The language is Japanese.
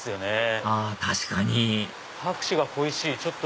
あ確かに拍手が恋しい！